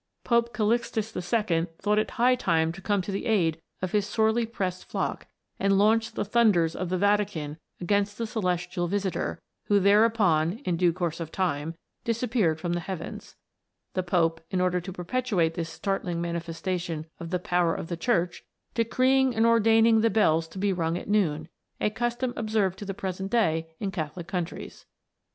Pope Calixtus II. thought it high time to come to the aid of his sorely pressed flock, and launched the thunders of the Vatican against the celestial visitor, who there upon (in due course of time) disappeared from the heavens ; the Pope, in order to perpetuate this startling manifestation of the power of the Church, A TALE OF A COMET. 207 decreeing and ordaining the bells to be rung at noon, a custom observed to the present day in Catholic countries.